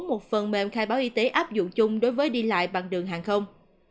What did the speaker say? một phần mềm khai báo y tế áp dụng chung đối với đi lại bằng đường hàng không